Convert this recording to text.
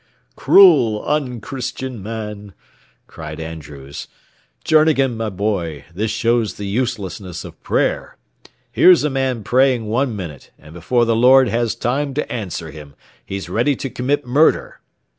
"Cruel, unchristian man!" cried Andrews. "Journegan, my boy, this shows the uselessness of prayer. Here's a man praying one minute, and before the Lord has time to answer him he's ready to commit murder.